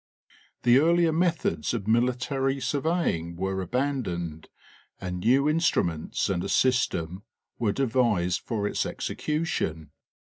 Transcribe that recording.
The earlier methods of military surveying were abandoned, and new instruments and a system were devised for its execution.